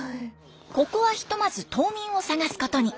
ここはひとまず島民を探すことに。